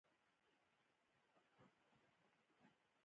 خدای پالنه کې اسماني کوچنۍ ډلې خدایان ګڼل کېږي.